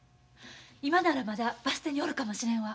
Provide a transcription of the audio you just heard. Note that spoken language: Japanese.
今ならまだバス停におるかもしれんわ。